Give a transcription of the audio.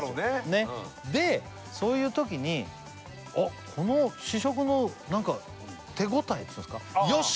ねっでそういうときにあこの試食のなんか手応えっていうんですか